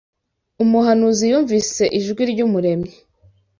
umuhanuzi yumvise ijwi ry’Umuremyi